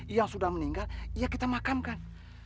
yang sudah meninggal ya kita makamkan